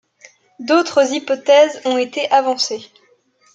D'autres hypothèses ont été avancées.